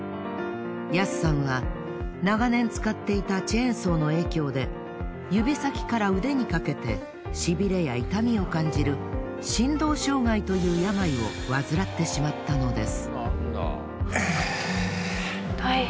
ヤスさんは長年使っていたチェーンソーの影響で指先から腕にかけてしびれや痛みを感じる振動障害という病を患ってしまったのです。